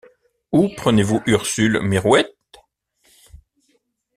Où prenez-vous Ursule Mirouët?